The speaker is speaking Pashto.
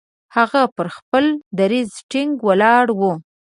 هغه پر خپل دریځ ټینګ ولاړ وو.